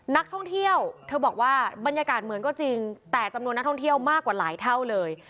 นักท่องเที่ยวเธอบอกว่าบรรยากาศเหมือนก็จริงแต่จำนวนนักท่องเที่ยวมากกว่าหลายเท่าเลย